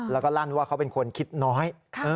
แล้วก็ลั่นว่าเขาเป็นคนคิดน้อย